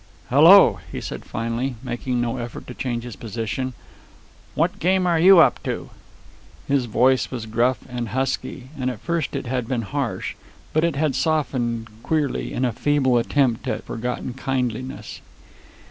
"Hello," he said finally, making no effort to change his position. "What game are you up to!" His voice was gruff and husky, and at first it had been harsh; but it had softened queerly in a feeble attempt at forgotten kindliness.